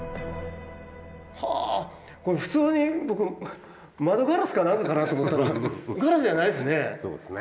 はあこれ普通に僕窓ガラスか何かかなと思ったらガラスじゃないですね？